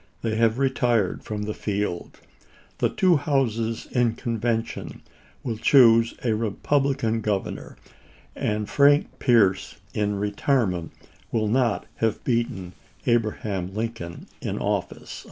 They have retired from the field. The two houses in convention will choose a Republican governor, and Frank Pierce in retirement will not have beaten SSoin0, Abraham Lincoln in office."